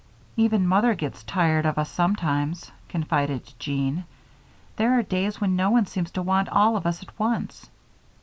"Even Mother gets tired of us sometimes," confided Jean. "There are days when no one seems to want all of us at once."